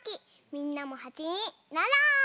みんなもはちになろう！